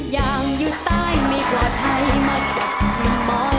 อย่างอยู่ใต้มีเกลาใครมากับพิมพ์